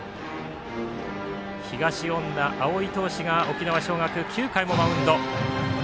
東恩納蒼投手が沖縄尚学９回もマウンド。